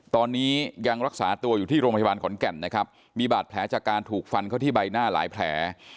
ตอนนี้ยังรักษาตัวอยู่ที่โรงพยาบาลขอนแก่นนะครับมีบาดแผลจากการถูกฟันเข้าที่ใบหน้าหลายแผล